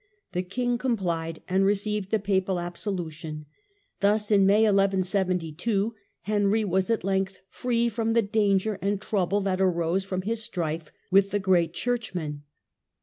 The king complied, and received the papal absolution. Thus in May, 1172, Henry was at length free from the danger and trouble that arose from his strife with the great churchman.